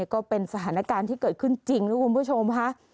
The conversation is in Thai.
ก็เป็นสถานการณ์ที่เกิดขึ้นจริงนะคุณผู้ชมค่ะ